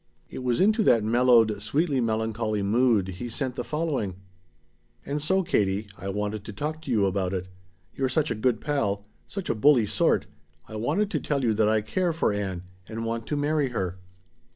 It was into that mellowed, sweetly melancholy mood he sent the following: "And so, Katie, I wanted to talk to you about it. You're such a good pal such a bully sort I wanted to tell you that I care for Ann and want to marry her."